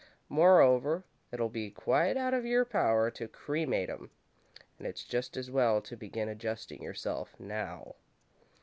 Moreover, it'll be quite out of your power to cremate 'em, and it's just as well to begin adjusting yourself now."